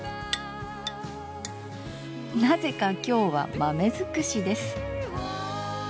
なぜか今日は豆尽くしです。